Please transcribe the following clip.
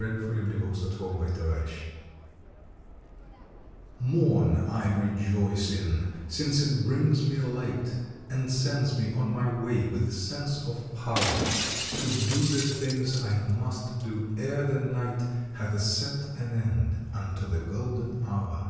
June Twentieth THE DAY TV/fORN I rejoice in, since it brings me light, And sends me on my way with sense of power To do the things I must do ere the night Hath set an end unto the golden hour.